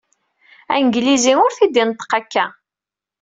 Anglizi ur t-id-ineṭṭeq akka.